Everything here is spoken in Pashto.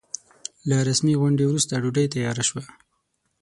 له رسمي غونډې وروسته ډوډۍ تياره شوه.